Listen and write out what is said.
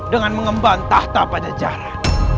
dengan mengembang tahta pajajaran